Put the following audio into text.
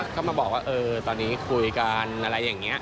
ก็มาบอกว่าตอนนี้คุยกันอะไรอย่างนี้